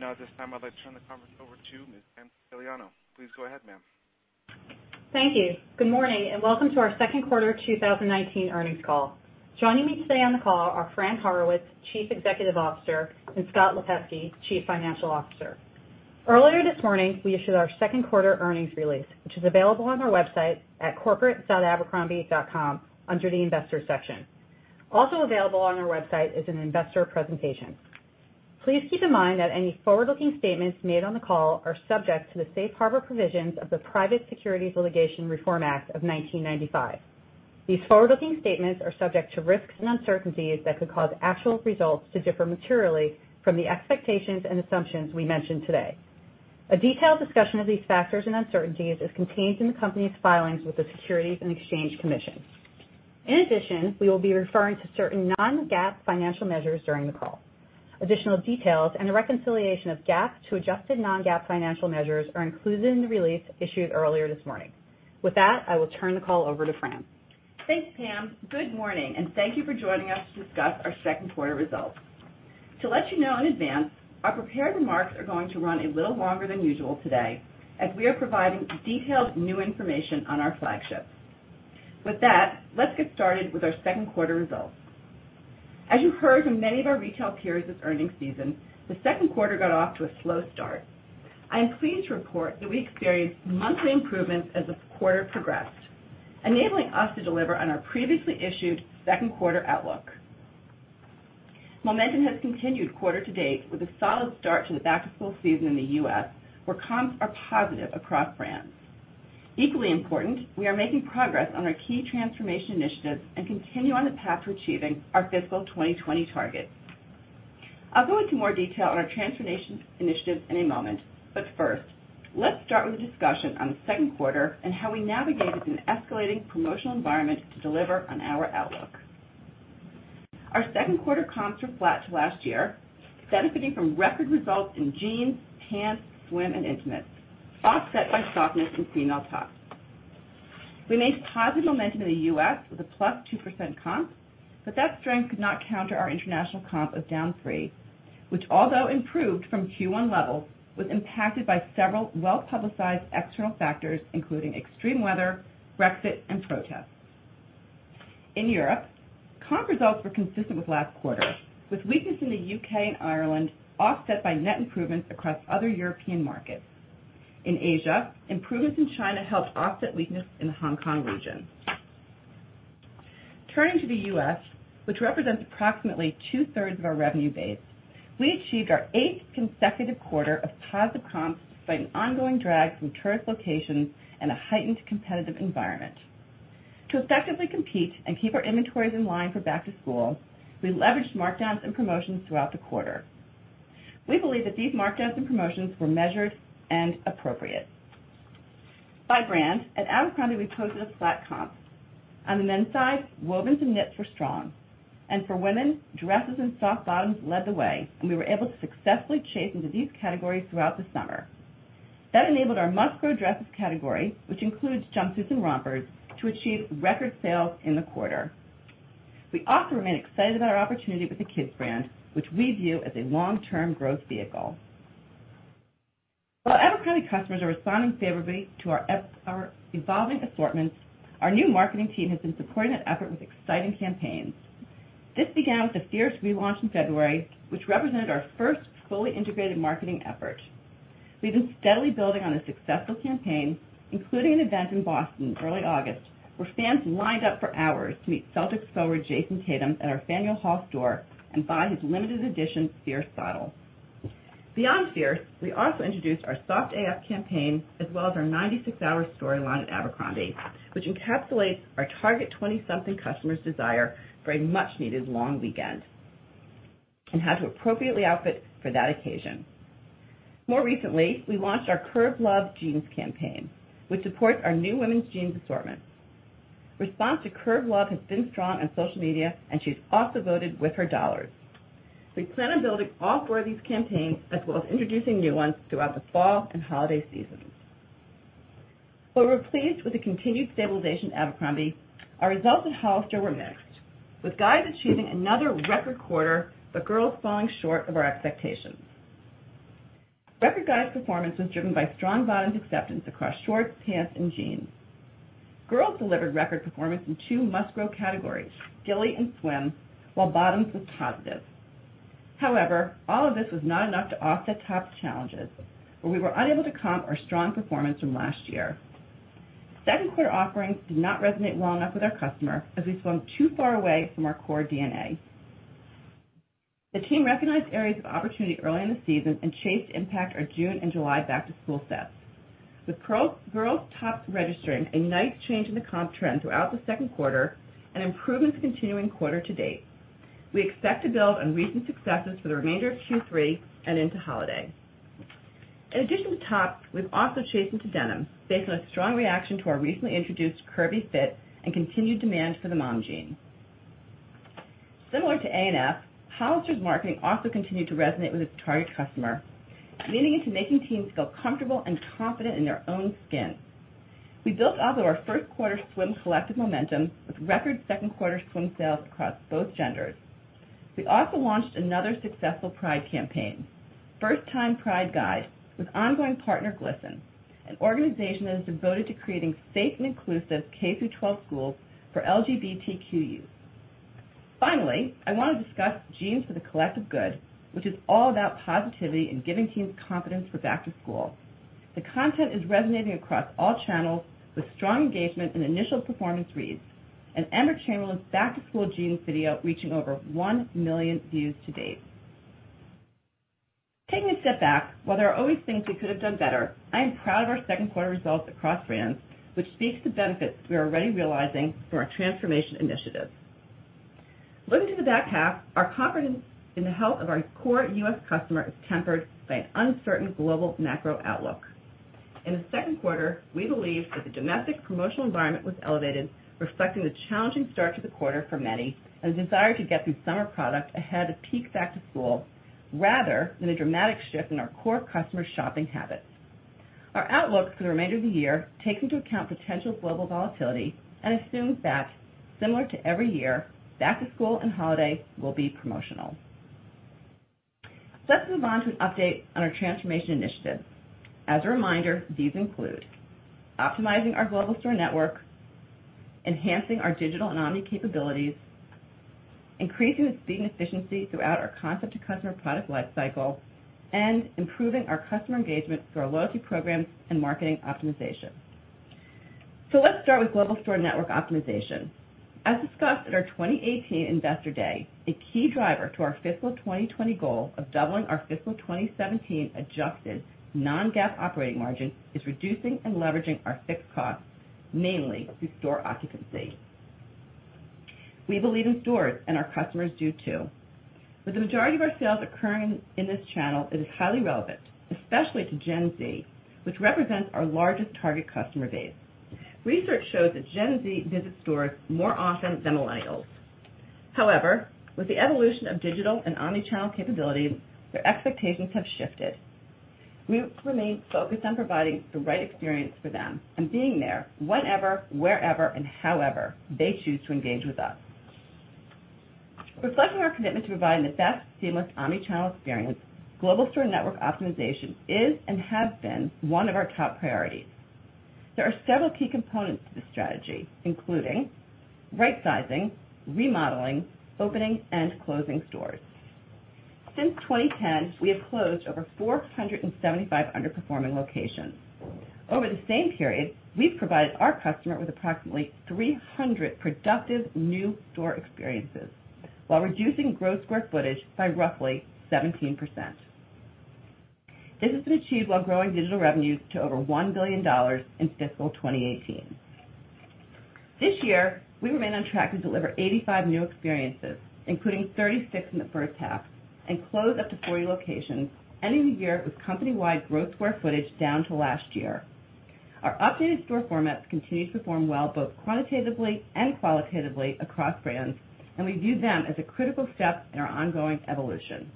Now at this time, I'd like to turn the conference over to Ms. Pamela Quintiliano. Please go ahead, ma'am. Thank you. Good morning, and welcome to our second quarter 2019 earnings call. Joining me today on the call are Fran Horowitz, Chief Executive Officer, and Scott Lipesky, Chief Financial Officer. Earlier this morning, we issued our second quarter earnings release, which is available on our website at corporate.abercrombie.com under the investor section. Also available on our website is an investor presentation. Please keep in mind that any forward-looking statements made on the call are subject to the safe harbor provisions of the Private Securities Litigation Reform Act of 1995. These forward-looking statements are subject to risks and uncertainties that could cause actual results to differ materially from the expectations and assumptions we mention today. A detailed discussion of these factors and uncertainties is contained in the company's filings with the Securities and Exchange Commission. In addition, we will be referring to certain non-GAAP financial measures during the call. Additional details and a reconciliation of GAAP to adjusted non-GAAP financial measures are included in the release issued earlier this morning. With that, I will turn the call over to Fran. Thanks, Pam. Good morning, thank you for joining us to discuss our second quarter results. To let you know in advance, our prepared remarks are going to run a little longer than usual today as we are providing detailed new information on our flagships. With that, let's get started with our second quarter results. As you heard from many of our retail peers this earnings season, the second quarter got off to a slow start. I am pleased to report that we experienced monthly improvements as the quarter progressed, enabling us to deliver on our previously issued second quarter outlook. Momentum has continued quarter to date with a solid start to the back-to-school season in the U.S., where comps are positive across brands. Equally important, we are making progress on our key transformation initiatives and continue on the path to achieving our fiscal 2020 targets. I'll go into more detail on our transformation initiatives in a moment. First, let's start with a discussion on the second quarter and how we navigated an escalating promotional environment to deliver on our outlook. Our second quarter comps were flat to last year, benefiting from record results in jeans, pants, swim, and intimates, offset by softness in female tops. We made positive momentum in the U.S. with a +2% comp. That strength could not counter our international comp of -3%, which although improved from Q1 levels, was impacted by several well-publicized external factors, including extreme weather, Brexit, and protests. In Europe, comp results were consistent with last quarter, with weakness in the U.K. and Ireland offset by net improvements across other European markets. In Asia, improvements in China helped offset weakness in the Hong Kong region. Turning to the U.S., which represents approximately two-thirds of our revenue base, we achieved our eighth consecutive quarter of positive comps despite an ongoing drag from tourist locations and a heightened competitive environment. To effectively compete and keep our inventories in line for back to school, we leveraged markdowns and promotions throughout the quarter. We believe that these markdowns and promotions were measured and appropriate. By brand, at Abercrombie, we posted a flat comp. On the men's side, wovens and knits were strong. For women, dresses and soft bottoms led the way, and we were able to successfully chase into these categories throughout the summer. That enabled our must-grow dresses category, which includes jumpsuits and rompers, to achieve record sales in the quarter. We also remain excited about our opportunity with the kids brand, which we view as a long-term growth vehicle. While Abercrombie customers are responding favorably to our evolving assortments, our new marketing team has been supporting that effort with exciting campaigns. This began with the Fierce relaunch in February, which represented our first fully integrated marketing effort. We've been steadily building on a successful campaign, including an event in Boston early August, where fans lined up for hours to meet Celtics forward Jayson Tatum at our Faneuil Hall store and buy his limited edition Fierce style. Beyond Fierce, we also introduced our Soft AF campaign as well as our 96-hour storyline at Abercrombie, which encapsulates our target 20-something customers' desire for a much-needed long weekend and how to appropriately outfit for that occasion. More recently, we launched our Curve Love jeans campaign, which supports our new women's jeans assortment. Response to Curve Love has been strong on social media, and she's also voted with her dollars. We plan on building all four of these campaigns as well as introducing new ones throughout the fall and holiday seasons. While we're pleased with the continued stabilization of Abercrombie, our results at Hollister were mixed, with guys achieving another record quarter, but girls falling short of our expectations. Record guys performance was driven by strong bottoms acceptance across shorts, pants, and jeans. Girls delivered record performance in two must-grow categories, Gilly Hicks and swim, while bottoms was positive. All of this was not enough to offset tops challenges, where we were unable to comp our strong performance from last year. Second quarter offerings did not resonate well enough with our customer as we swung too far away from our core DNA. The team recognized areas of opportunity early in the season and chased impact our June and July back-to-school sets. With girls tops registering a nice change in the comp trend throughout the second quarter and improvements continuing quarter to date. We expect to build on recent successes for the remainder of Q3 and into holiday. In addition to tops, we've also chased into denim based on a strong reaction to our recently introduced Curve Love and continued demand for the mom jean. Similar to ANF, Hollister's marketing also continued to resonate with its target customer, leaning into making teens feel comfortable and confident in their own skin. We built off of our first quarter swim collective momentum with record second quarter swim sales across both genders. We also launched another successful Pride campaign, First Time Pride Guide, with ongoing partner GLSEN, an organization that is devoted to creating safe and inclusive K through 12 schools for LGBTQ youth. Finally, I want to discuss Jeans for the Collective Good, which is all about positivity and giving teens confidence for back to school. The content is resonating across all channels with strong engagement in initial performance reads, and Emma Chamberlain's back-to-school jeans video reaching over 1 million views to date. Taking a step back, while there are always things we could have done better, I am proud of our second quarter results across brands, which speaks to benefits we are already realizing from our transformation initiatives. Looking to the back half, our confidence in the health of our core U.S. customer is tempered by an uncertain global macro outlook. In the second quarter, we believe that the domestic promotional environment was elevated, reflecting the challenging start to the quarter for many and a desire to get through summer product ahead of peak back to school rather than a dramatic shift in our core customer shopping habits. Our outlook for the remainder of the year takes into account potential global volatility and assumes that, similar to every year, back to school and holiday will be promotional. Let's move on to an update on our transformation initiative. As a reminder, these include optimizing our global store network, enhancing our digital and omni capabilities, increasing the speed and efficiency throughout our concept to customer product life cycle, and improving our customer engagement through our loyalty programs and marketing optimization. Let's start with global store network optimization. As discussed at our 2018 Investor Day, a key driver to our fiscal 2020 goal of doubling our fiscal 2017 adjusted non-GAAP operating margin is reducing and leveraging our fixed costs, mainly through store occupancy. We believe in stores, and our customers do too. With the majority of our sales occurring in this channel, it is highly relevant, especially to Gen Z, which represents our largest target customer base. Research shows that Gen Z visits stores more often than millennials. However, with the evolution of digital and omni-channel capabilities, their expectations have shifted. We remain focused on providing the right experience for them and being there whenever, wherever, and however they choose to engage with us. Reflecting our commitment to providing the best seamless omni-channel experience, global store network optimization is and has been one of our top priorities. There are several key components to this strategy, including right-sizing, remodeling, opening, and closing stores. Since 2010, we have closed over 475 underperforming locations. Over the same period, we've provided our customer with approximately 300 productive new store experiences while reducing gross square footage by roughly 17%. This has been achieved while growing digital revenues to over $1 billion in fiscal 2018. This year, we remain on track to deliver 85 new experiences, including 36 in the first half, and close up to 40 locations, ending the year with company-wide gross square footage down till last year. Our updated store formats continue to perform well, both quantitatively and qualitatively, across brands, and we view them as a critical step in our ongoing evolution.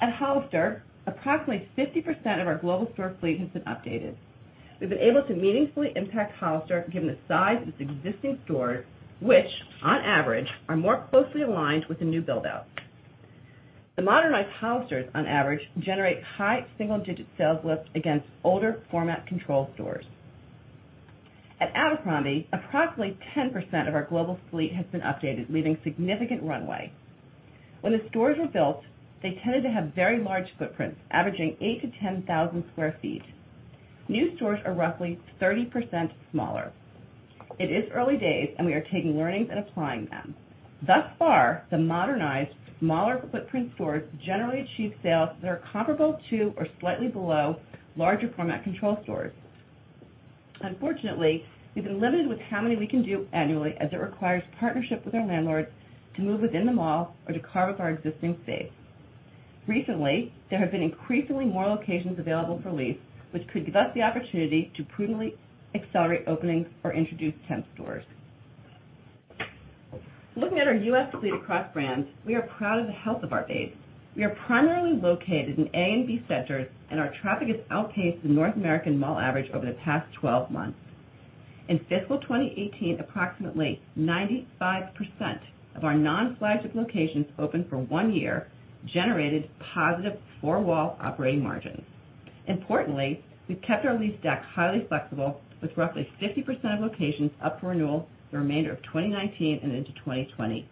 At Hollister, approximately 50% of our global store fleet has been updated. We've been able to meaningfully impact Hollister given the size of its existing stores, which on average are more closely aligned with the new build-out. The modernized Hollisters, on average, generate high single-digit sales lift against older format control stores. At Abercrombie, approximately 10% of our global fleet has been updated, leaving significant runway. When the stores were built, they tended to have very large footprints, averaging 8,000 to 10,000 sq ft. New stores are roughly 30% smaller. It is early days, and we are taking learnings and applying them. Thus far, the modernized, smaller footprint stores generally achieve sales that are comparable to or slightly below larger format control stores. Unfortunately, we've been limited with how many we can do annually, as it requires partnership with our landlords to move within the mall or to carve up our existing space. Recently, there have been increasingly more locations available for lease, which could give us the opportunity to prudently accelerate openings or introduce temp stores. Looking at our U.S. fleet across brands, we are proud of the health of our base. We are primarily located in A and B centers, and our traffic has outpaced the North American mall average over the past 12 months. In fiscal 2018, approximately 95% of our non-flagship locations open for one year generated positive four-wall operating margins. Importantly, we've kept our lease deck highly flexible with roughly 50% of locations up for renewal the remainder of 2019 and into 2020.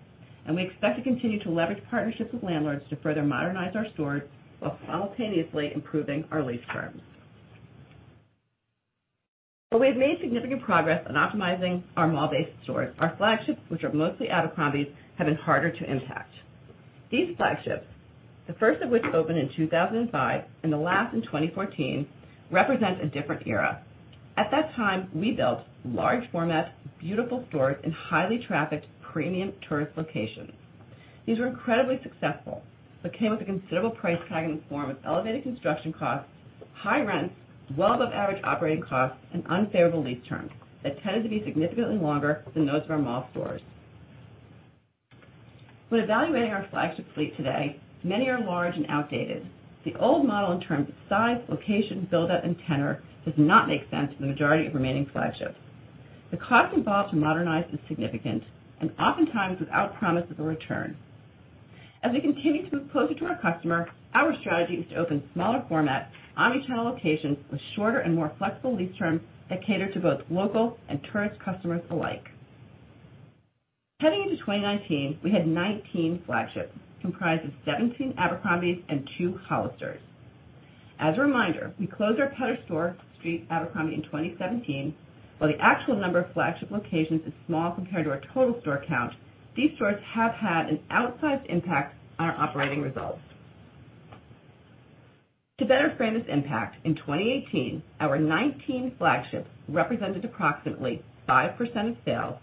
We expect to continue to leverage partnerships with landlords to further modernize our stores while simultaneously improving our lease terms. Though we have made significant progress on optimizing our mall-based stores, our flagships, which are mostly Abercrombie, have been harder to impact. These flagships, the first of which opened in 2005 and the last in 2014, represent a different era. At that time, we built large format, beautiful stores in highly trafficked premium tourist locations. These were incredibly successful but came with a considerable price tag in the form of elevated construction costs, high rents, well above average operating costs, and unfavorable lease terms that tended to be significantly longer than those of our mall stores. When evaluating our flagship fleet today, many are large and outdated. The old model in terms of size, location, buildup, and tenure does not make sense for the majority of remaining flagships. The cost involved to modernize is significant, and oftentimes without promise of a return. As we continue to move closer to our customer, our strategy is to open smaller format, omni-channel locations with shorter and more flexible lease terms that cater to both local and tourist customers alike. Heading into 2019, we had 19 flagships comprised of 17 Abercrombies and two Hollisters. As a reminder, we closed our Pedder Street Abercrombie in 2017. While the actual number of flagship locations is small compared to our total store count, these stores have had an outsized impact on our operating results. To better frame this impact, in 2018, our 19 flagships represented approximately 5% of sales.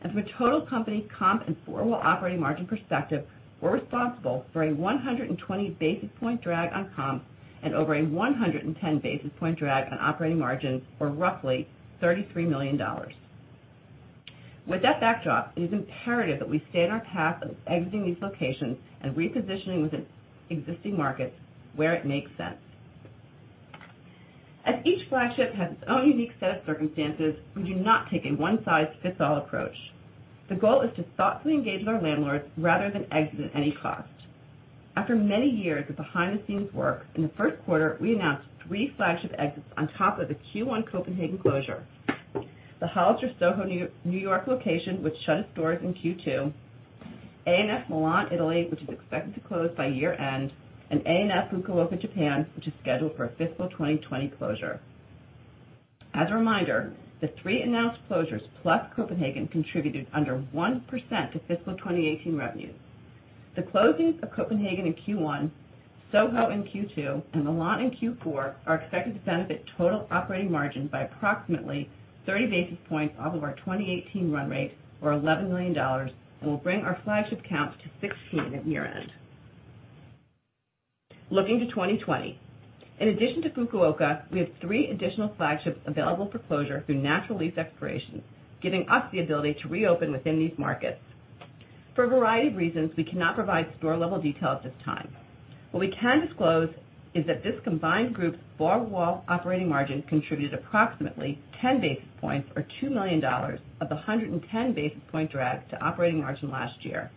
From a total company comp and four-wall operating margin perspective, were responsible for a 120 basis point drag on comp and over a 110 basis point drag on operating margin, or roughly $33 million. With that backdrop, it is imperative that we stay on our path of exiting these locations and repositioning within existing markets where it makes sense. As each flagship has its own unique set of circumstances, we do not take a one-size-fits-all approach. The goal is to thoughtfully engage with our landlords rather than exit at any cost. After many years of behind-the-scenes work, in the first quarter, we announced three flagship exits on top of the Q1 Copenhagen closure. The Hollister SoHo, New York location, which shut its doors in Q2, A&F Milan, Italy, which is expected to close by year-end, and A&F Fukuoka, Japan, which is scheduled for a fiscal 2020 closure. As a reminder, the three announced closures, plus Copenhagen, contributed under 1% to fiscal 2018 revenues. The closings of Copenhagen in Q1, Soho in Q2, and Milan in Q4 are expected to benefit total operating margin by approximately 30 basis points off of our 2018 run rate, or $11 million, and will bring our flagship count to 16 at year-end. Looking to 2020. In addition to Fukuoka, we have three additional flagships available for closure through natural lease expirations, giving us the ability to reopen within these markets. For a variety of reasons, we cannot provide store-level detail at this time. What we can disclose is that this combined group four-wall operating margin contributed approximately 10 basis points, or $2 million, of the 110 basis point drag to operating margin last year.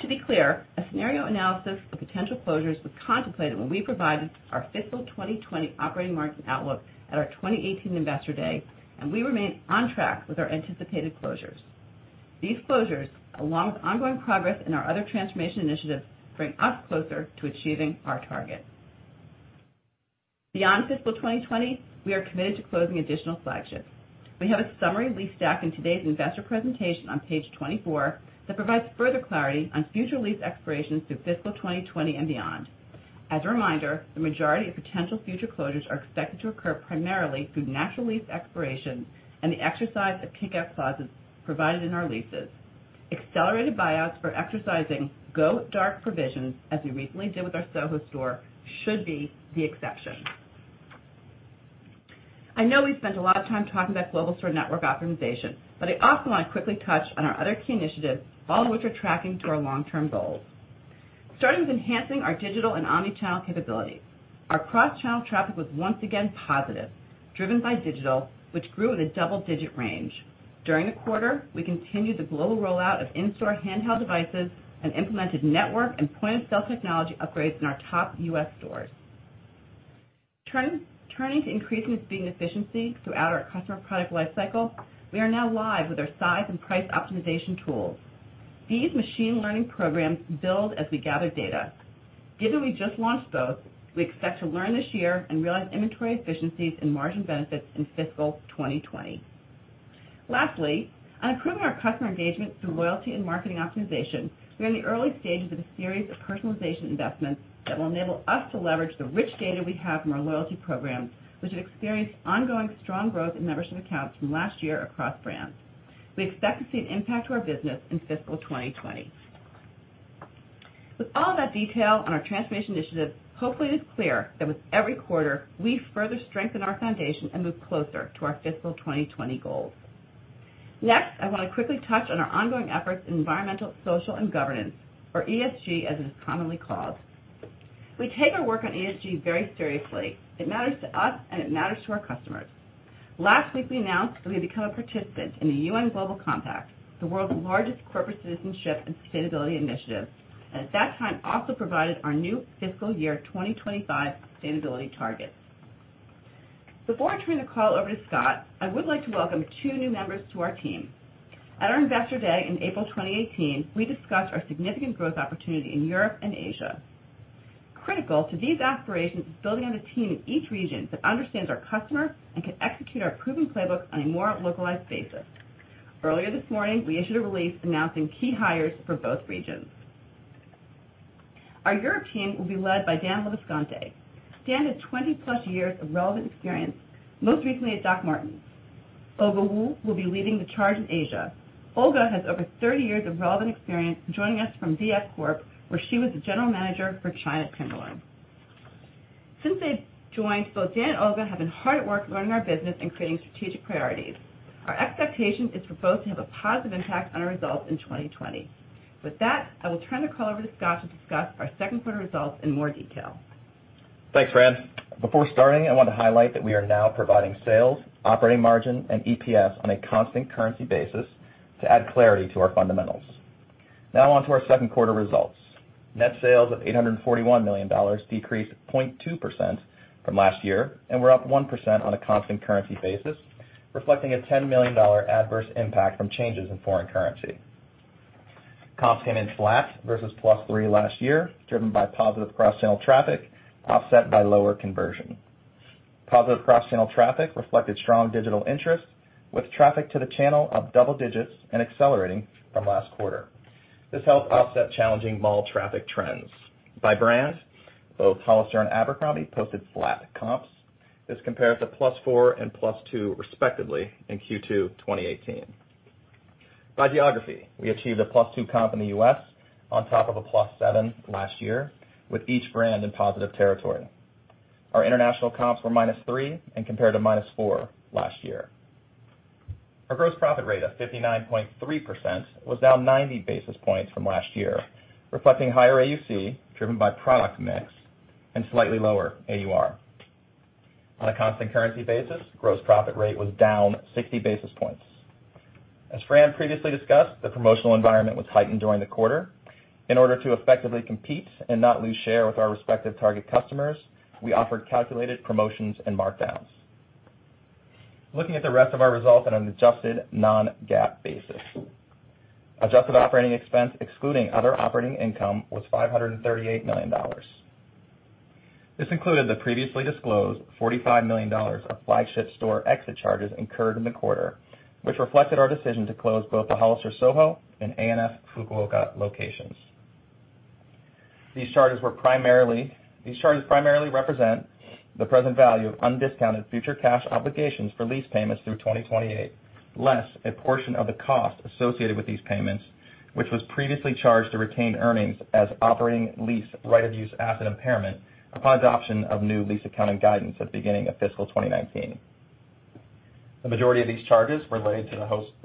To be clear, a scenario analysis for potential closures was contemplated when we provided our fiscal 2020 operating margin outlook at our 2018 Investor Day, and we remain on track with our anticipated closures. These closures, along with ongoing progress in our other transformation initiatives, bring us closer to achieving our target. Beyond fiscal 2020, we are committed to closing additional flagships. We have a summary lease stack in today's investor presentation on page 24 that provides further clarity on future lease expirations through fiscal 2020 and beyond. As a reminder, the majority of potential future closures are expected to occur primarily through natural lease expirations and the exercise of kick-out clauses provided in our leases. Accelerated buyouts for exercising go dark provisions, as we recently did with our Soho store, should be the exception. I know we spent a lot of time talking about global store network optimization. I also want to quickly touch on our other key initiatives, all of which are tracking to our long-term goals. Starting with enhancing our digital and omni-channel capabilities. Our cross-channel traffic was once again positive, driven by digital, which grew in a double-digit range. During the quarter, we continued the global rollout of in-store handheld devices and implemented network and point-of-sale technology upgrades in our top U.S. stores. Turning to increasing speed and efficiency throughout our customer product life cycle, we are now live with our size and price optimization tools. These machine learning programs build as we gather data. Given we just launched both, we expect to learn this year and realize inventory efficiencies and margin benefits in fiscal 2020. Lastly, on improving our customer engagement through loyalty and marketing optimization, we are in the early stages of a series of personalization investments that will enable us to leverage the rich data we have from our loyalty programs, which have experienced ongoing strong growth in membership accounts from last year across brands. We expect to see an impact to our business in fiscal 2020. With all that detail on our transformation initiatives, hopefully it is clear that with every quarter, we further strengthen our foundation and move closer to our fiscal 2020 goals. Next, I want to quickly touch on our ongoing efforts in environmental, social, and governance, or ESG, as it is commonly called. We take our work on ESG very seriously. It matters to us and it matters to our customers. Last week, we announced that we had become a participant in the UN Global Compact, the world's largest corporate citizenship and sustainability initiative, and at that time also provided our new fiscal year 2025 sustainability targets. Before I turn the call over to Scott, I would like to welcome two new members to our team. At our Investor Day in April 2018, we discussed our significant growth opportunity in Europe and Asia. Critical to these aspirations is building on a team in each region that understands our customer and can execute our proven playbook on a more localized basis. Earlier this morning, we issued a release announcing key hires for both regions. Our Europe team will be led by Daniel LeVesconte. Dan has 20-plus years of relevant experience, most recently at Dr. Martens. Olga Wu will be leading the charge in Asia. Olga has over 30 years of relevant experience joining us from VF Corporation where she was the general manager for China Timberland. Since they've joined, both Dan and Olga have been hard at work learning our business and creating strategic priorities. Our expectation is for both to have a positive impact on our results in 2020. With that, I will turn the call over to Scott to discuss our second quarter results in more detail. Thanks, Fran. Before starting, I want to highlight that we are now providing sales, operating margin, and EPS on a constant currency basis to add clarity to our fundamentals. Now on to our second quarter results. Net sales of $841 million decreased 0.2% from last year, and were up 1% on a constant currency basis, reflecting a $10 million adverse impact from changes in foreign currency. Comp came in flat versus +3% last year, driven by positive cross-channel traffic, offset by lower conversion. Positive cross-channel traffic reflected strong digital interest, with traffic to the channel up double digits and accelerating from last quarter. This helped offset challenging mall traffic trends. By brand, both Hollister and Abercrombie posted flat comps. This compares to +4% and +2%, respectively, in Q2 2018. By geography, we achieved a +2 comp in the U.S., on top of a +7 last year, with each brand in positive territory. Our international comps were -3 and compare to -4 last year. Our gross profit rate of 59.3% was down 90 basis points from last year, reflecting higher AUC, driven by product mix, and slightly lower AUR. On a constant currency basis, gross profit rate was down 60 basis points. As Fran previously discussed, the promotional environment was heightened during the quarter. In order to effectively compete and not lose share with our respective target customers, we offered calculated promotions and markdowns. Looking at the rest of our results on an adjusted non-GAAP basis. Adjusted operating expense excluding other operating income was $538 million. This included the previously disclosed $45 million of flagship store exit charges incurred in the quarter, which reflected our decision to close both the Hollister Soho and ANF Fukuoka locations. These charges primarily represent the present value of undiscounted future cash obligations for lease payments through 2028, less a portion of the cost associated with these payments, which was previously charged to retain earnings as operating lease right of use asset impairment upon adoption of new lease accounting guidance at the beginning of fiscal 2019. The majority of these charges related to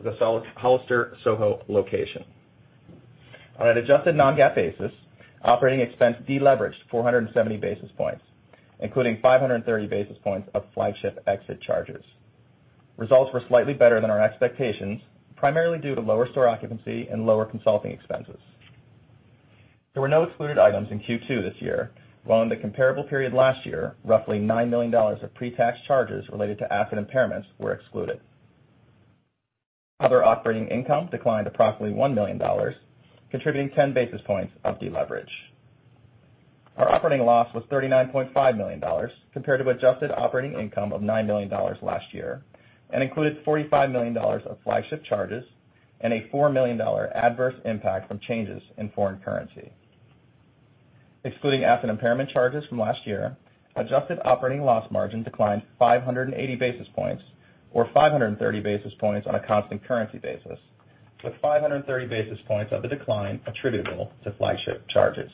the Hollister Soho location. On an adjusted non-GAAP basis, operating expense deleveraged 470 basis points, including 530 basis points of flagship exit charges. Results were slightly better than our expectations, primarily due to lower store occupancy and lower consulting expenses. There were no excluded items in Q2 this year. While in the comparable period last year, roughly $9 million of pre-tax charges related to asset impairments were excluded. Other operating income declined approximately $1 million, contributing 10 basis points of deleverage. Our operating loss was $39.5 million, compared to adjusted operating income of $9 million last year, and includes $45 million of flagship charges and a $4 million adverse impact from changes in foreign currency. Excluding asset impairment charges from last year, adjusted operating loss margin declined 580 basis points, or 530 basis points on a constant currency basis, with 530 basis points of the decline attributable to flagship charges.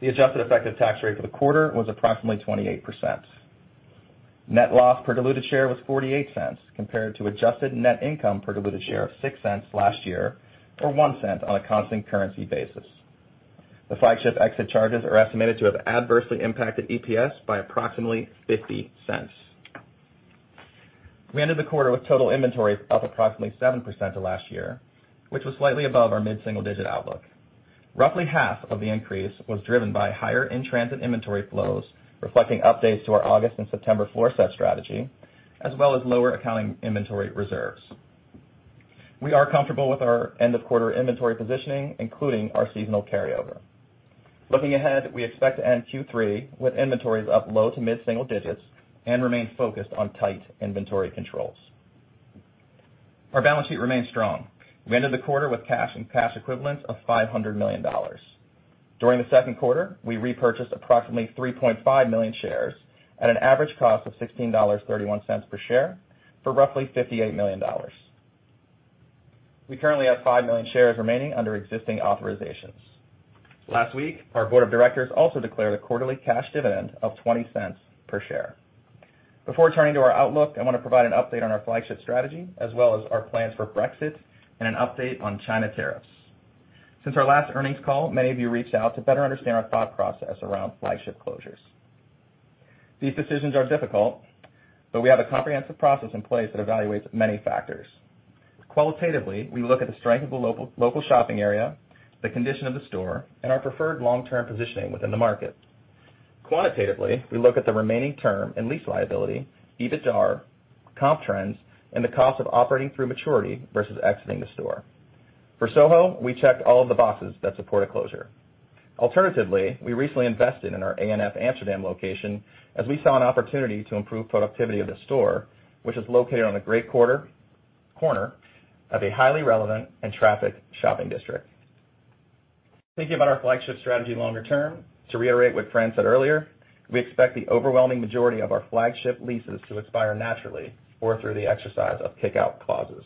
The adjusted effective tax rate for the quarter was approximately 28%. Net loss per diluted share was $0.48, compared to adjusted net income per diluted share of $0.06 last year, or $0.01 on a constant currency basis. The flagship exit charges are estimated to have adversely impacted EPS by approximately $0.50. We ended the quarter with total inventory up approximately 7% to last year, which was slightly above our mid-single-digit outlook. Roughly half of the increase was driven by higher in-transit inventory flows, reflecting updates to our August and September floor set strategy, as well as lower accounting inventory reserves. We are comfortable with our end of quarter inventory positioning, including our seasonal carryover. Looking ahead, we expect to end Q3 with inventories up low to mid-single digits and remain focused on tight inventory controls. Our balance sheet remains strong. We ended the quarter with cash and cash equivalents of $500 million. During the second quarter, we repurchased approximately 3.5 million shares at an average cost of $16.31 per share for roughly $58 million. We currently have five million shares remaining under existing authorizations. Last week, our board of directors also declared a quarterly cash dividend of $0.20 per share. Before turning to our outlook, I want to provide an update on our flagship strategy, as well as our plans for Brexit and an update on China tariffs. Since our last earnings call, many of you reached out to better understand our thought process around flagship closures. These decisions are difficult, but we have a comprehensive process in place that evaluates many factors. Qualitatively, we look at the strength of the local shopping area, the condition of the store, and our preferred long-term positioning within the market. Quantitatively, we look at the remaining term and lease liability, EBITDA, comp trends, and the cost of operating through maturity versus exiting the store. For Soho, we checked all of the boxes that support a closure. Alternatively, we recently invested in our ANF Amsterdam location as we saw an opportunity to improve productivity of the store, which is located on a great corner of a highly relevant and trafficked shopping district. Thinking about our flagship strategy longer term, to reiterate what Fran said earlier, we expect the overwhelming majority of our flagship leases to expire naturally or through the exercise of kick-out clauses.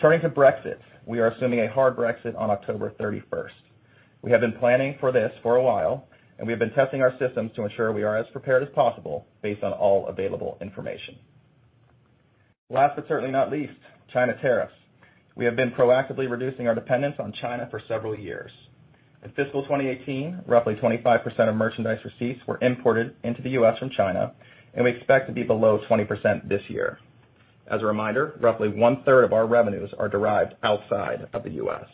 Turning to Brexit, we are assuming a hard Brexit on October 31st. We have been planning for this for a while, and we have been testing our systems to ensure we are as prepared as possible based on all available information. Last, but certainly not least, China tariffs. We have been proactively reducing our dependence on China for several years. In fiscal 2018, roughly 25% of merchandise receipts were imported into the U.S. from China, and we expect to be below 20% this year. As a reminder, roughly one-third of our revenues are derived outside of the U.S.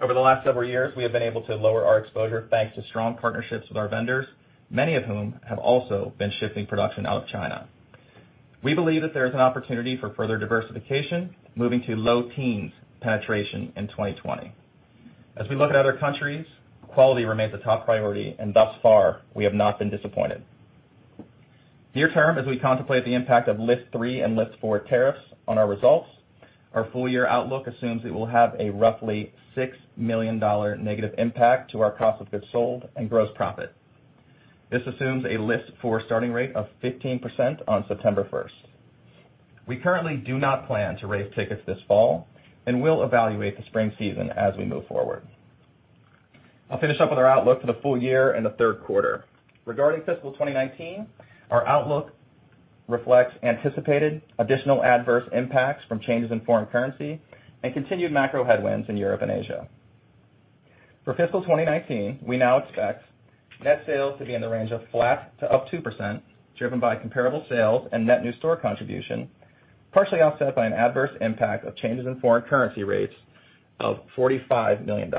Over the last several years, we have been able to lower our exposure thanks to strong partnerships with our vendors, many of whom have also been shifting production out of China. We believe that there is an opportunity for further diversification, moving to low teens penetration in 2020. As we look at other countries, quality remains a top priority and thus far, we have not been disappointed. Near term, as we contemplate the impact of list 3 and list 4 tariffs on our results, our full year outlook assumes it will have a roughly $6 million negative impact to our cost of goods sold and gross profit. This assumes a list 4 starting rate of 15% on September 1st. We currently do not plan to raise tickets this fall and will evaluate the spring season as we move forward. I'll finish up with our outlook for the full year and the third quarter. Regarding fiscal 2019, our outlook reflects anticipated additional adverse impacts from changes in foreign currency and continued macro headwinds in Europe and Asia. For fiscal 2019, we now expect net sales to be in the range of flat to up 2%, driven by comparable sales and net new store contribution, partially offset by an adverse impact of changes in foreign currency rates of $45 million.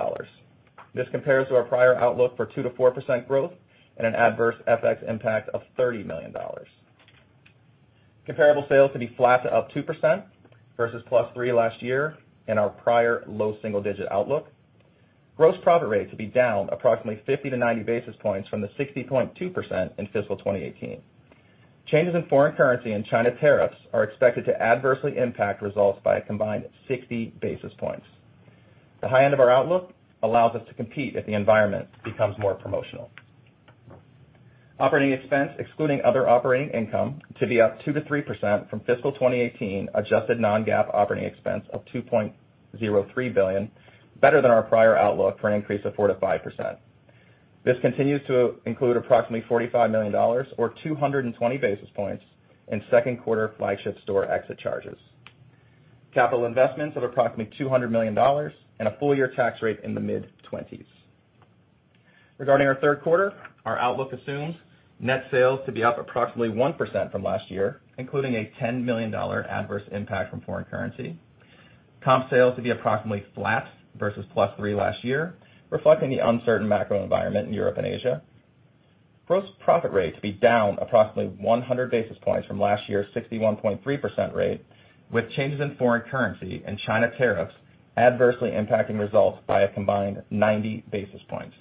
This compares to our prior outlook for 2%-4% growth and an adverse FX impact of $30 million. Comparable sales to be flat to up 2% versus plus 3% last year in our prior low single-digit outlook. Gross profit rate to be down approximately 50-90 basis points from the 60.2% in fiscal 2018. Changes in foreign currency and China tariffs are expected to adversely impact results by a combined 60 basis points. The high end of our outlook allows us to compete if the environment becomes more promotional. Operating expense, excluding other operating income, to be up 2%-3% from fiscal 2018, adjusted non-GAAP operating expense of $2.03 billion, better than our prior outlook for an increase of 4%-5%. This continues to include approximately $45 million or 220 basis points in second quarter flagship store exit charges. Capital investments of approximately $200 million and a full-year tax rate in the mid-20s. Regarding our third quarter, our outlook assumes net sales to be up approximately 1% from last year, including a $10 million adverse impact from foreign currency. Comp sales to be approximately flat versus +3% last year, reflecting the uncertain macro environment in Europe and Asia. Gross profit rate to be down approximately 100 basis points from last year's 61.3% rate, with changes in foreign currency and China tariffs adversely impacting results by a combined 90 basis points.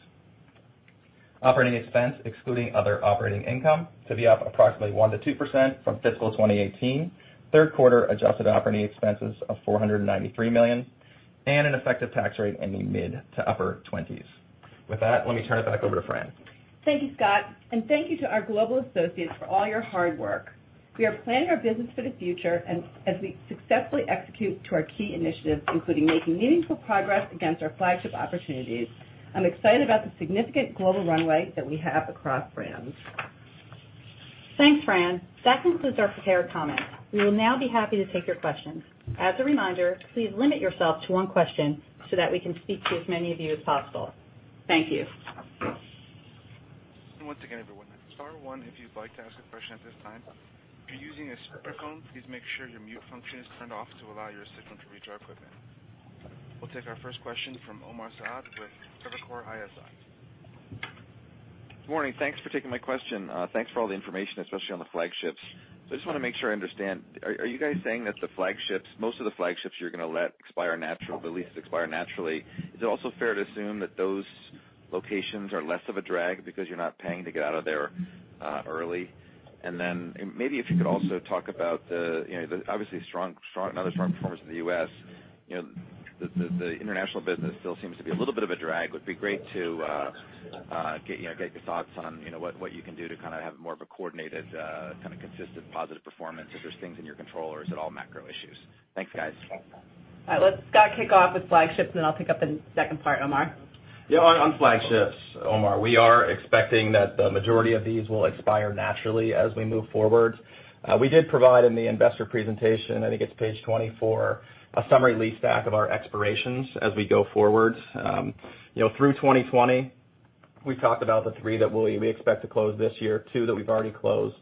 Operating expense, excluding other operating income, to be up approximately 1%-2% from fiscal 2018. Third quarter adjusted operating expenses of $493 million and an effective tax rate in the mid-to-upper 20s. With that, let me turn it back over to Fran. Thank you, Scott, and thank you to our global associates for all your hard work. We are planning our business for the future, and as we successfully execute to our key initiatives, including making meaningful progress against our flagship opportunities, I'm excited about the significant global runway that we have across brands. Thanks, Fran. That concludes our prepared comments. We will now be happy to take your questions. As a reminder, please limit yourself to one question so that we can speak to as many of you as possible. Thank you. Once again, everyone, star one if you'd like to ask a question at this time. If you're using a speakerphone, please make sure your mute function is turned off to allow your system to reach our equipment. We'll take our first question from Omar Saad with Evercore ISI. Good morning. Thanks for taking my question. Thanks for all the information, especially on the flagships. I just want to make sure I understand. Are you guys saying that most of the flagships you're going to let expire naturally or at least expire naturally? Is it also fair to assume that those locations are less of a drag because you're not paying to get out of there early? Maybe if you could also talk about the obviously another strong performance in the U.S., the international business still seems to be a little bit of a drag. Would be great to get your thoughts on what you can do to have more of a coordinated, consistent, positive performance, if there's things in your control, or is it all macro issues? Thanks, guys. All right. Let's Scott kick off with flagships, then I'll pick up the second part, Omar. On flagships, Omar, we are expecting that the majority of these will expire naturally as we move forward. We did provide in the investor presentation, I think it's page 24, a summary lease back of our expirations as we go forward. Through 2020, we've talked about the three that we expect to close this year, two that we've already closed,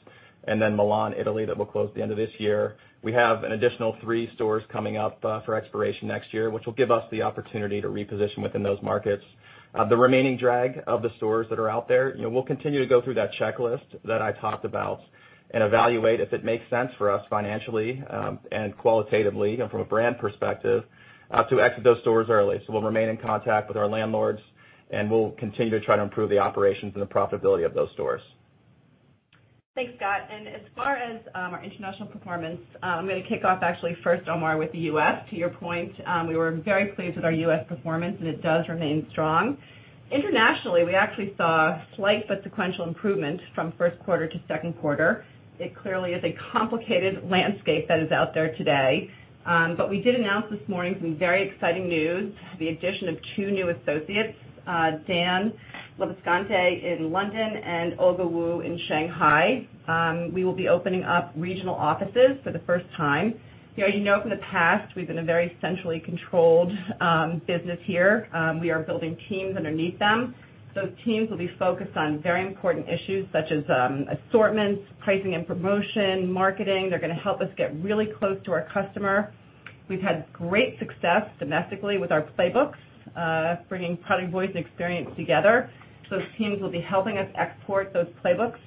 and then Milan, Italy, that will close at the end of this year. We have an additional three stores coming up for expiration next year, which will give us the opportunity to reposition within those markets. The remaining drag of the stores that are out there, we'll continue to go through that checklist that I talked about and evaluate if it makes sense for us financially and qualitatively and from a brand perspective, to exit those stores early. We'll remain in contact with our landlords, and we'll continue to try to improve the operations and the profitability of those stores. Thanks, Scott. As far as our international performance, I'm going to kick off actually first, Omar, with the U.S. To your point, we were very pleased with our U.S. performance, and it does remain strong. Internationally, we actually saw slight but sequential improvement from first quarter to second quarter. It clearly is a complicated landscape that is out there today. We did announce this morning some very exciting news, the addition of two new associates, Dan Labiscante in London and Olga Wu in Shanghai. We will be opening up regional offices for the first time. You know from the past we've been a very centrally controlled business here. We are building teams underneath them. Those teams will be focused on very important issues such as assortments, pricing and promotion, marketing. They're going to help us get really close to our customer. We've had great success domestically with our playbooks, bringing product, voice, and experience together. Those teams will be helping us export those playbooks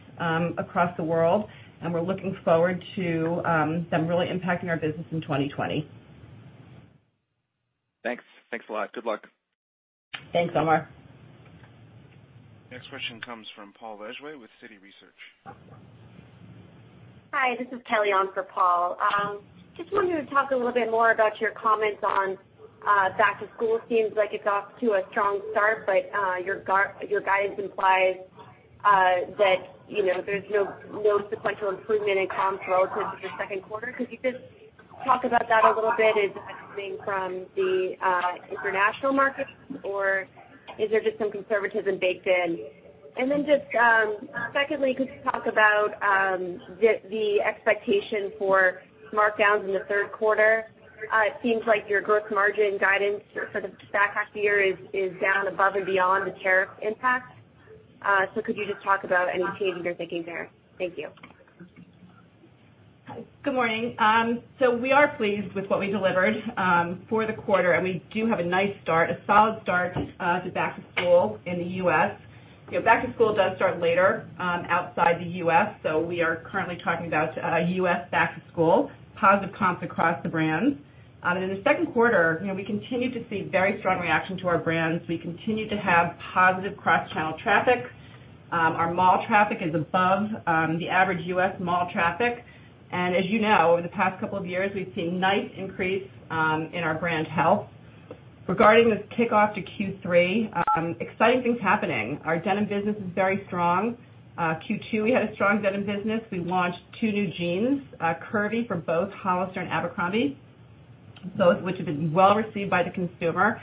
across the world, and we're looking forward to them really impacting our business in 2020. Thanks. Thanks a lot. Good luck. Thanks, Omar. Next question comes from Paul Lejuez with Citi Research. Hi, this is Kelly on for Paul. Just wanted to talk a little bit more about your comments on back to school. Seems like it's off to a strong start, but your guidance implies that there's no sequential improvement in comps relative to second quarter. Could you just talk about that a little bit? Is that coming from the international markets, or is there just some conservatism baked in? Secondly, could you talk about the expectation for markdowns in the third quarter? It seems like your gross margin guidance for the back half of the year is down above and beyond the tariff impact. Could you just talk about any changes you're making there? Thank you. Good morning. We are pleased with what we delivered for the quarter, and we do have a nice start, a solid start to back to school in the U.S. Back to school does start later outside the U.S., we are currently talking about U.S. back to school. Positive comps across the brand. In the second quarter, we continue to see very strong reaction to our brands. We continue to have positive cross-channel traffic. Our mall traffic is above the average U.S. mall traffic. As you know, over the past couple of years, we've seen nice increase in our brand health. Regarding this kickoff to Q3, exciting things happening. Our denim business is very strong. Q2, we had a strong denim business. We launched two new jeans, curvy for both Hollister and Abercrombie, both which have been well received by the consumer.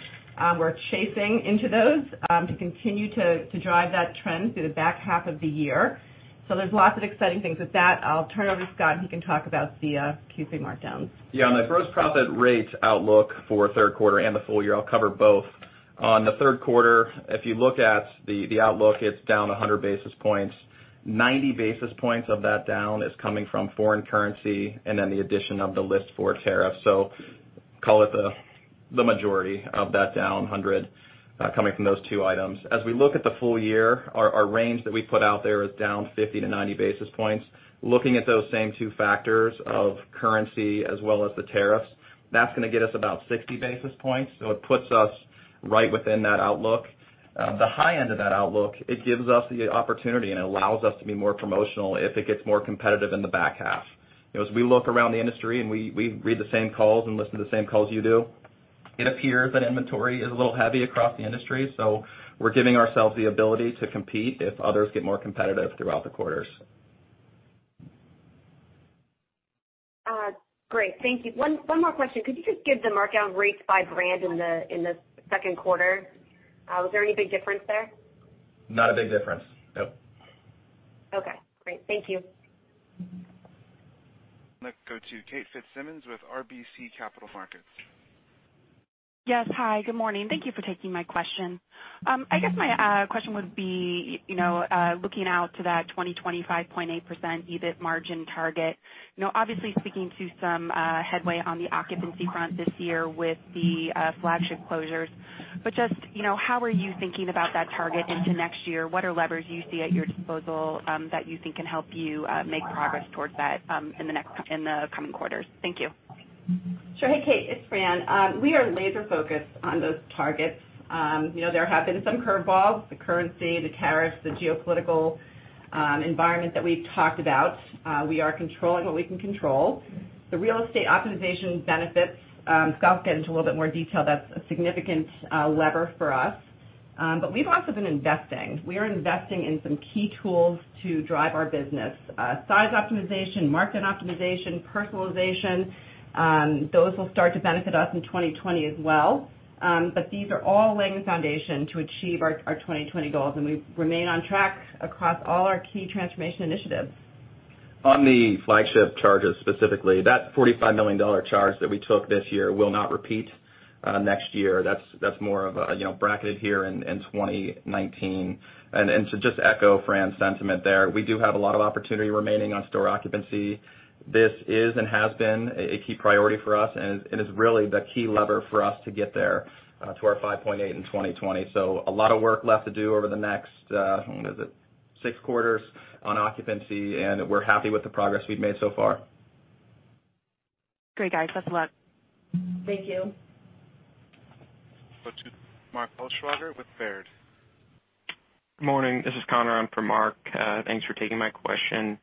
We're chasing into those to continue to drive that trend through the back half of the year. There's lots of exciting things. With that, I'll turn it over to Scott, and he can talk about the QC markdowns. Yeah, on the gross profit rate outlook for third quarter and the full year, I'll cover both. On the third quarter, if you look at the outlook, it's down 100 basis points. 90 basis points of that down is coming from foreign currency and then the addition of the list for tariffs. Call it the majority of that down 100 coming from those two items. As we look at the full year, our range that we put out there is down 50 to 90 basis points. Looking at those same two factors of currency as well as the tariffs, that's going to get us about 60 basis points. It puts us right within that outlook. The high end of that outlook, it gives us the opportunity and allows us to be more promotional if it gets more competitive in the back half. As we look around the industry and we read the same calls and listen to the same calls you do, it appears that inventory is a little heavy across the industry, so we're giving ourselves the ability to compete if others get more competitive throughout the quarters. Great. Thank you. One more question. Could you just give the markdown rates by brand in the second quarter? Was there any big difference there? Not a big difference. No. Okay, great. Thank you. Next, go to Kate Fitzsimons with RBC Capital Markets. Yes, hi. Good morning. Thank you for taking my question. I guess my question would be, looking out to that 2020 5.8% EBIT margin target, obviously speaking to some headway on the occupancy front this year with the flagship closures, just how are you thinking about that target into next year? What are levers you see at your disposal that you think can help you make progress towards that in the coming quarters? Thank you. Sure. Hey, Kate, it's Fran. We are laser focused on those targets. There have been some curveballs, the currency, the tariffs, the geopolitical environment that we've talked about. We are controlling what we can control. The real estate optimization benefits, Scott will get into a little bit more detail, that's a significant lever for us. We've also been investing. We are investing in some key tools to drive our business. Size optimization, market optimization, personalization. Those will start to benefit us in 2020 as well. These are all laying the foundation to achieve our 2020 goals, and we remain on track across all our key transformation initiatives. On the flagship charges, specifically, that $45 million charge that we took this year will not repeat next year. That's more of a bracket here in 2019. To just echo Fran's sentiment there, we do have a lot of opportunity remaining on store occupancy. This is and has been a key priority for us, and is really the key lever for us to get there to our 5.8 in 2020. A lot of work left to do over the next, what is it, six quarters on occupancy, and we're happy with the progress we've made so far. Great, guys. Best of luck. Thank you. Let's go to Mark Altschwager with Baird. Good morning. This is Connor on for Mark. Thanks for taking my question.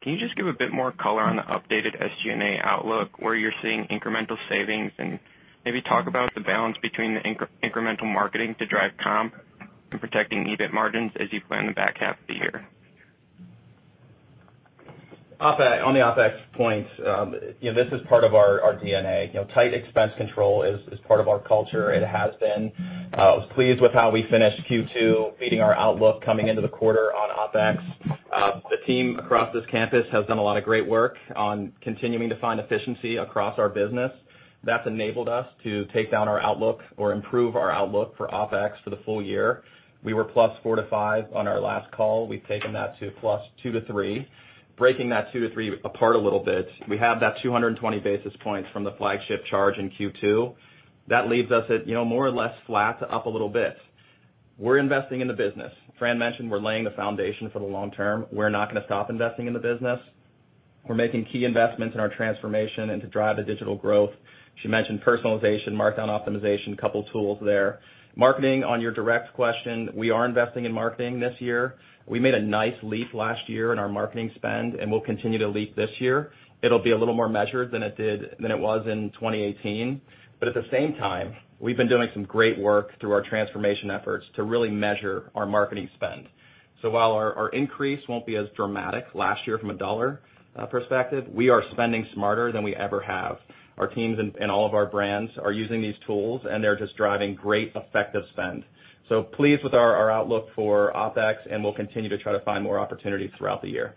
Can you just give a bit more color on the updated SG&A outlook, where you're seeing incremental savings, and maybe talk about the balance between the incremental marketing to drive comp and protecting EBIT margins as you plan the back half of the year? On the OpEx points, this is part of our DNA. Tight expense control is part of our culture. It has been. I was pleased with how we finished Q2, beating our outlook coming into the quarter on OpEx. The team across this campus has done a lot of great work on continuing to find efficiency across our business. That's enabled us to take down our outlook or improve our outlook for OpEx for the full year. We were +4% to +5% on our last call. We've taken that to +2% to +3%. Breaking that 2% to 3% apart a little bit, we have that 220 basis points from the flagship charge in Q2. That leaves us at more or less flat to up a little bit. We're investing in the business. Fran mentioned we're laying the foundation for the long term. We're not going to stop investing in the business. We're making key investments in our transformation and to drive the digital growth. She mentioned personalization, markdown optimization, a couple tools there. Marketing, on your direct question, we are investing in marketing this year. We made a nice leap last year in our marketing spend, and we'll continue to leap this year. It'll be a little more measured than it was in 2018. At the same time, we've been doing some great work through our transformation efforts to really measure our marketing spend. While our increase won't be as dramatic last year from a dollar perspective, we are spending smarter than we ever have. Our teams and all of our brands are using these tools, and they're just driving great effective spend. Pleased with our outlook for OpEx, and we'll continue to try to find more opportunities throughout the year.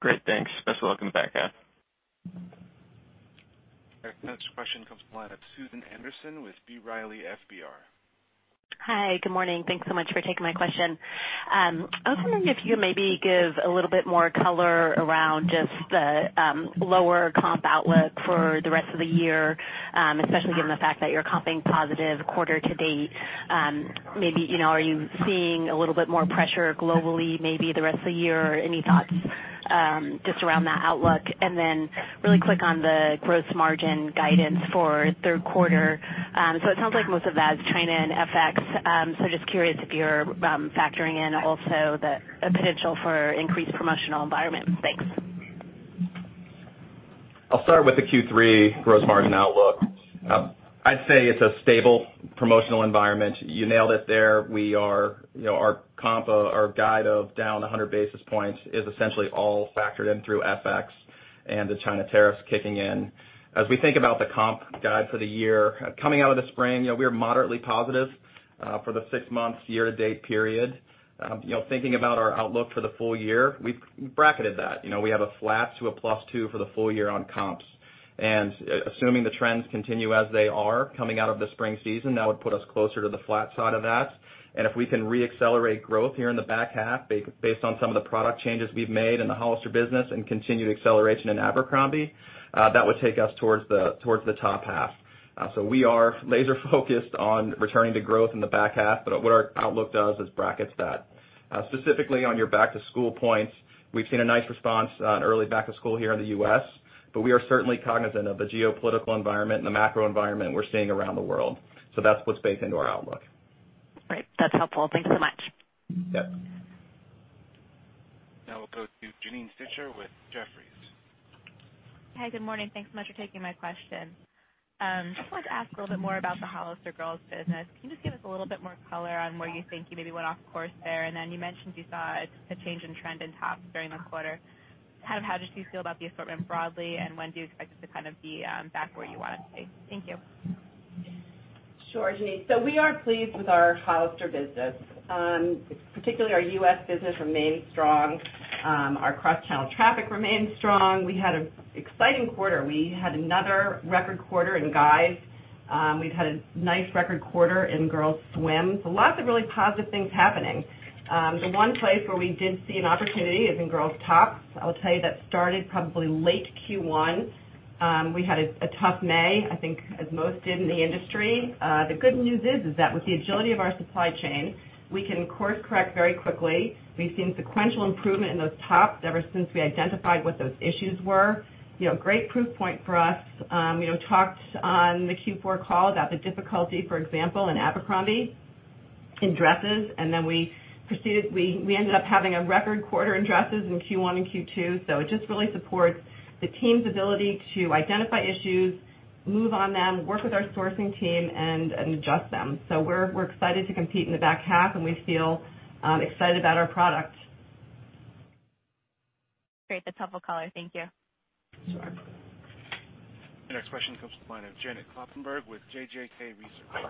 Great. Thanks. Best of luck on the back half. Our next question comes from the line of Susan Anderson with B. Riley FBR. Hi. Good morning. Thanks so much for taking my question. I was wondering if you could maybe give a little bit more color around just the lower comp outlook for the rest of the year, especially given the fact that you're comping positive quarter to date. Are you seeing a little bit more pressure globally, maybe the rest of the year or any thoughts just around that outlook? Really quick on the gross margin guidance for third quarter. It sounds like most of that is China and FX. Just curious if you're factoring in also the potential for increased promotional environment. Thanks. I'll start with the Q3 gross margin outlook. I'd say it's a stable promotional environment. You nailed it there. Our guide of down 100 basis points is essentially all factored in through FX and the China tariffs kicking in. As we think about the comp guide for the year, coming out of the spring, we are moderately positive for the six months, year to date period. Thinking about our outlook for the full year, we've bracketed that. We have a flat to a plus two for the full year on comps. Assuming the trends continue as they are coming out of the spring season, that would put us closer to the flat side of that. If we can re-accelerate growth here in the back half based on some of the product changes we've made in the Hollister business and continued acceleration in Abercrombie, that would take us towards the top half. We are laser focused on returning to growth in the back half, but what our outlook does is brackets that. Specifically on your back to school points, we've seen a nice response on early back to school here in the U.S., but we are certainly cognizant of the geopolitical environment and the macro environment we're seeing around the world. That's what's baked into our outlook. Great. That's helpful. Thank you so much. Yep. Now we'll go to Janine Stichter with Jefferies. Hi. Good morning. Thanks so much for taking my question. I just wanted to ask a little bit more about the Hollister Girls business. Can you just give us a little bit more color on where you think you maybe went off course there? You mentioned you saw a change in trend in tops during the quarter. How did you feel about the assortment broadly, and when do you expect it to be back where you want it to be? Thank you. Sure, Janine. We are pleased with our Hollister business. Particularly our U.S. business remains strong. Our cross-channel traffic remains strong. We had an exciting quarter. We had another record quarter in Guys. We've had a nice record quarter in Girls Swim. Lots of really positive things happening. The one place where we did see an opportunity is in Girls Tops. I will tell you that started probably late Q1. We had a tough May, I think as most did in the industry. The good news is that with the agility of our supply chain, we can course correct very quickly. We've seen sequential improvement in those tops ever since we identified what those issues were. Great proof point for us. We talked on the Q4 call about the difficulty, for example, in Abercrombie in dresses, and then we ended up having a record quarter in dresses in Q1 and Q2. It just really supports the team's ability to identify issues, move on them, work with our sourcing team, and adjust them. We're excited to compete in the back half, and we feel excited about our product. Great. That's helpful color. Thank you. Sure. The next question comes from the line of Janet Kloppenburg with JJK Research.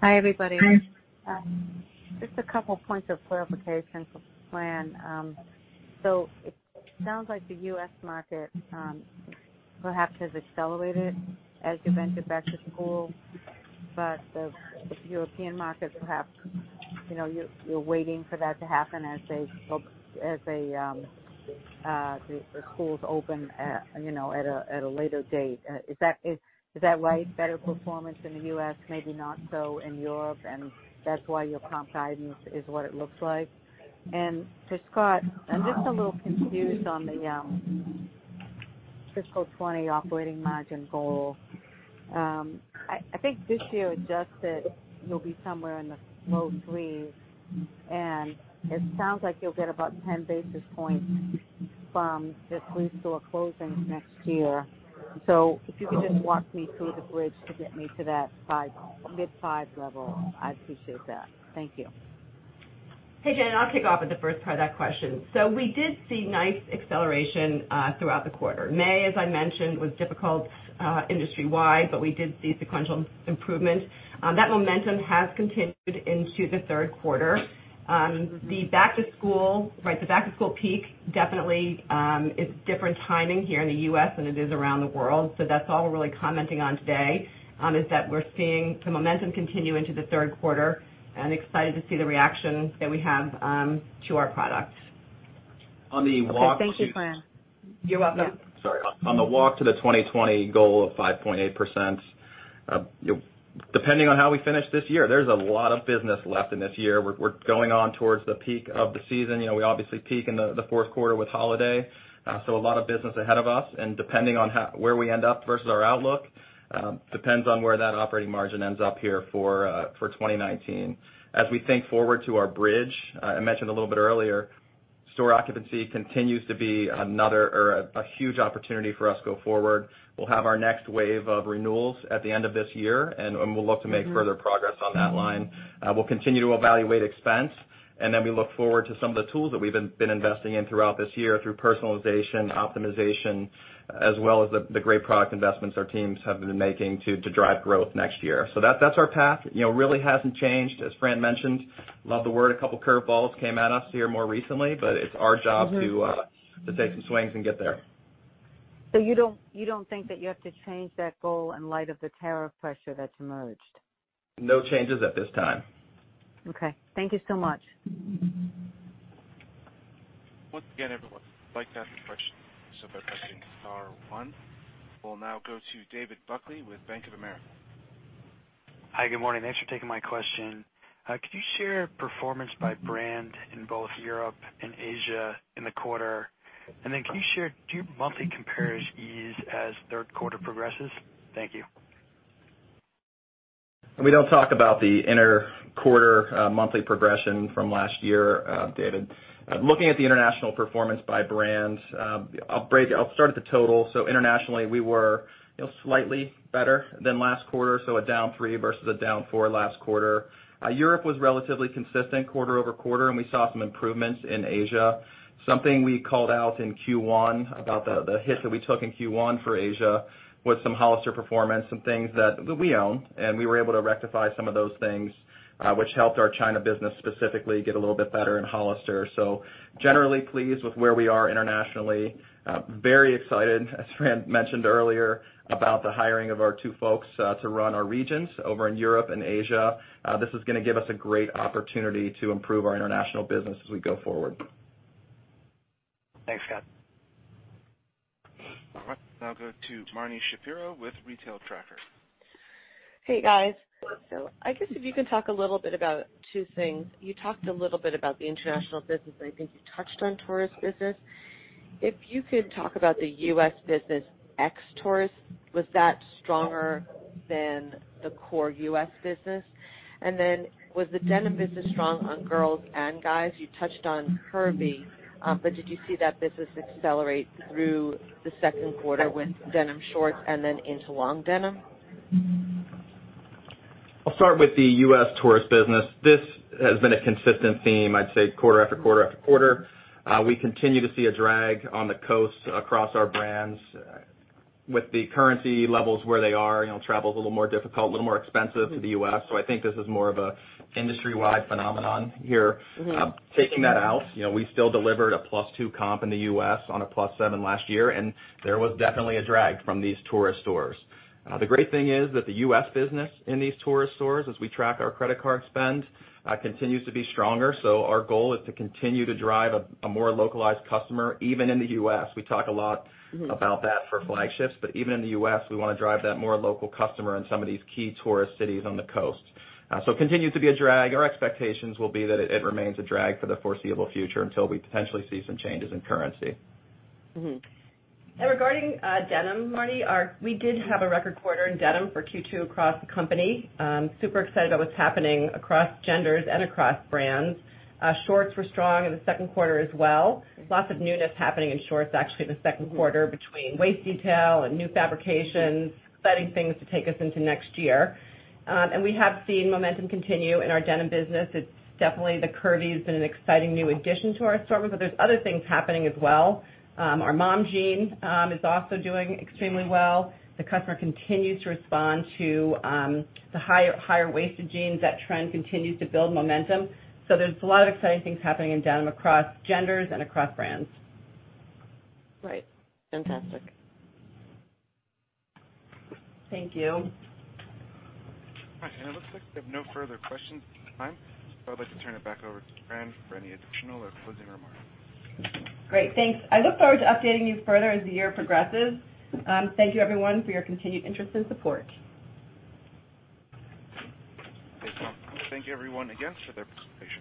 Hi, everybody. Just a couple points of clarification for the plan. It sounds like the U.S. market perhaps has accelerated as you mentioned back to school, but the European market, you're waiting for that to happen as the schools open at a later date. Is that right? Better performance in the U.S., maybe not so in Europe, and that's why your comp guidance is what it looks like? To Scott, I'm just a little confused on the Fiscal 20 operating margin goal. I think this year, adjusted, you'll be somewhere in the low 3s, and it sounds like you'll get about 10 basis points from the three store closings next year. If you could just walk me through the bridge to get me to that mid 5 level, I'd appreciate that. Thank you. Hey, Jen. I'll kick off with the first part of that question. We did see nice acceleration throughout the quarter. May, as I mentioned, was difficult industry-wide, but we did see sequential improvement. That momentum has continued into the third quarter. The back to school peak definitely is different timing here in the U.S. than it is around the world. That's all we're really commenting on today, is that we're seeing the momentum continue into the third quarter and excited to see the reaction that we have to our products. Okay. Thank you, Fran. You're welcome. Sorry. On the walk to the 2020 goal of 5.8%, depending on how we finish this year, there's a lot of business left in this year. We're going on towards the peak of the season. We obviously peak in the fourth quarter with holiday, so a lot of business ahead of us, and depending on where we end up versus our outlook, depends on where that operating margin ends up here for 2019. As we think forward to our bridge, I mentioned a little bit earlier, store occupancy continues to be a huge opportunity for us go forward. We'll have our next wave of renewals at the end of this year, and we'll look to make further progress on that line. We'll continue to evaluate expense, and then we look forward to some of the tools that we've been investing in throughout this year through personalization, optimization, as well as the great product investments our teams have been making to drive growth next year. That's our path. Really hasn't changed, as Fran mentioned. Love the word, a couple curve balls came at us here more recently, but it's our job to take some swings and get there. You don't think that you have to change that goal in light of the tariff pressure that's emerged? No changes at this time. Okay. Thank you so much. Once again, everyone, like to have your questions by pressing star one. We'll now go to David Buckley with Bank of America. Hi, good morning. Thanks for taking my question. Could you share performance by brand in both Europe and Asia in the quarter? Can you share, do monthly compares ease as third quarter progresses? Thank you. We don't talk about the inner quarter monthly progression from last year, David. Looking at the international performance by brand, I'll start at the total. Internationally, we were slightly better than last quarter, a down three versus a down four last quarter. Europe was relatively consistent quarter-over-quarter. We saw some improvements in Asia. Something we called out in Q1 about the hit that we took in Q1 for Asia was some Hollister performance, some things that we own. We were able to rectify some of those things, which helped our China business specifically get a little bit better in Hollister. Generally pleased with where we are internationally. Very excited, as Fran mentioned earlier, about the hiring of our two folks to run our regions over in Europe and Asia. This is gonna give us a great opportunity to improve our international business as we go forward. Thanks, Scott. All right. Now go to Marni Shapiro with The Retail Tracker. Hey, guys. I guess if you can talk a little bit about two things. You talked a little bit about the international business, and I think you touched on tourist business. If you could talk about the U.S. business ex-tourist, was that stronger than the core U.S. business? Was the denim business strong on girls and guys? You touched on Curve Love. Did you see that business accelerate through the second quarter with denim shorts and then into long denim? I'll start with the U.S. tourist business. This has been a consistent theme, I'd say, quarter after quarter after quarter. We continue to see a drag on the costs across our brands. With the currency levels where they are, travel is a little more difficult, a little more expensive to the U.S. I think this is more of an industry-wide phenomenon here. Taking that out, we still delivered a plus two comp in the U.S. on a plus seven last year. There was definitely a drag from these tourist stores. The great thing is that the U.S. business in these tourist stores, as we track our credit card spend, continues to be stronger. Our goal is to continue to drive a more localized customer, even in the U.S. We talk a lot about that for flagships, even in the U.S., we want to drive that more local customer in some of these key tourist cities on the coast. Continues to be a drag. Our expectations will be that it remains a drag for the foreseeable future until we potentially see some changes in currency. Regarding denim, Marni, we did have a record quarter in denim for Q2 across the company. Super excited about what's happening across genders and across brands. Shorts were strong in the second quarter as well. Lots of newness happening in shorts, actually, the second quarter between waist detail and new fabrications, exciting things to take us into next year. We have seen momentum continue in our denim business. Definitely the curvy has been an exciting new addition to our stores, but there's other things happening as well. Our mom jean is also doing extremely well. The customer continues to respond to the higher-waisted jeans. That trend continues to build momentum. There's a lot of exciting things happening in denim across genders and across brands. Right. Fantastic. Thank you. All right. It looks like we have no further questions at the time, so I'd like to turn it back over to Fran for any additional or closing remarks. Great. Thanks. I look forward to updating you further as the year progresses. Thank you, everyone, for your continued interest and support. Thank you. Thank you, everyone, again, for their participation.